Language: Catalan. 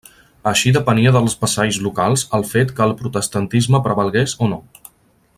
Així depenia dels vassalls locals el fet que el Protestantisme prevalgués o no.